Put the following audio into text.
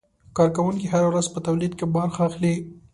کارکوونکي هره ورځ په تولید کې برخه اخلي.